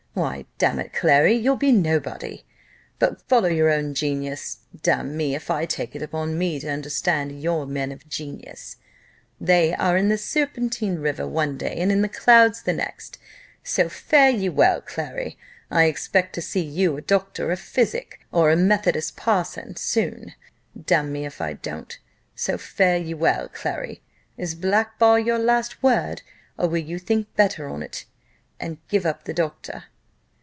Why, damn it, Clary, you'll be nobody. But follow your own genius damn me, if I take it upon me to understand your men of genius they are in the Serpentine river one day, and in the clouds the next: so fare ye well, Clary. I expect to see you a doctor of physic, or a methodist parson, soon, damn me if I don't: so fare ye well, Clary. Is black ball your last word? or will you think better on't, and give up the doctor?"